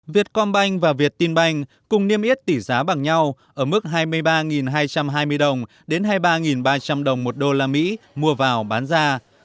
việt combank và việt tinbank cùng niêm yết tỷ giá bằng nhau ở mức hai mươi ba hai trăm hai mươi đồng đến hai mươi ba ba trăm linh đồng một đô la mỹ mua vào bán ra